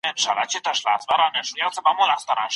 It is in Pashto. ژوند د هر چا لومړنی حق دی.